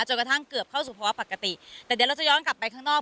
จนกระทั่งเกือบเข้าสู่ภาวะปกติแต่เดี๋ยวเราจะย้อนกลับไปข้างนอก